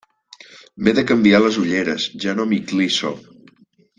M'he de canviar les ulleres, ja no m'hi clisso.